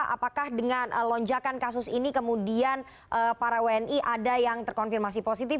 apakah dengan lonjakan kasus ini kemudian para wni ada yang terkonfirmasi positif